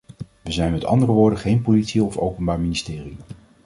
We zijn met andere woorden geen politie of openbaar ministerie.